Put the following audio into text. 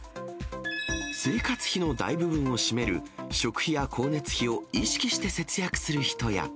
生活費の大部分を占める、食費や光熱費を意識して節約する人や。